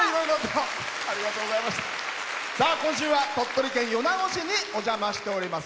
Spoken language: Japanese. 今週は鳥取県米子市にお邪魔しております。